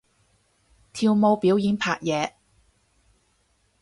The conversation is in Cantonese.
跳舞表演拍嘢